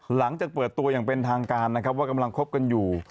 หลังจากเปิดตัวอย่างเป็นทางการนะครับว่ากำลังคบกันอยู่